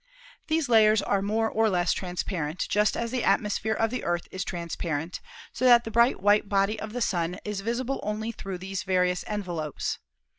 These layers are more or less transparent, just as the atmosphere of the Earth is transparent, so that the bright white body of the Sun is visible only through these various envelopes.